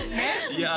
いや